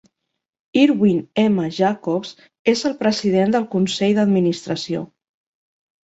Irwin M. Jacobs és el president del Consell d'Administració.